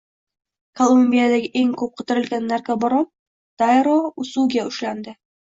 Kolumbiyada eng ko‘p qidirilgan narkobaron Dayro Usuga ushlandi